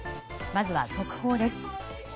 まずは速報です。